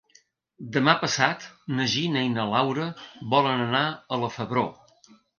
Demà passat na Gina i na Laura volen anar a la Febró.